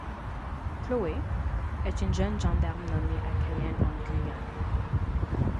Chloé, est une jeune gendarme nommée à Cayenne en Guyane.